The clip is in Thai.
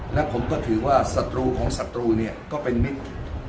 และผมก็ถือว่าศัตรูของศัตรูเนี่ยก็เป็นมิตร